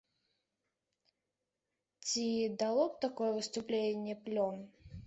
Ці дало б такое выступленне плён?